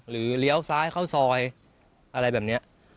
เลี้ยวซ้ายเข้าซอยอะไรแบบนี้